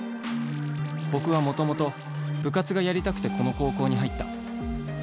「僕はもともと部活がやりたくてこの高校に入った。